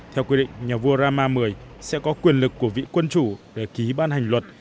theo quy định nhà vua rama một mươi sẽ có quyền lực của vị quân chủ để ký ban hành luật